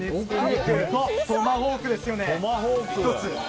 トマホークですよね。